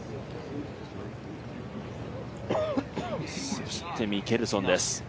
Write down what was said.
そしてミケルソンです。